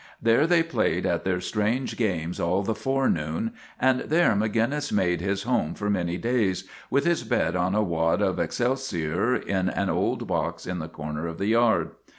There they played at their strange games all the forenoon, and there Maginnis made his home for many days, with his bed on a wad of ex celsior in an old box in the corner of the yard.